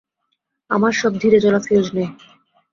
আমার সব ধীরে জ্বলা ফিউজ নেই।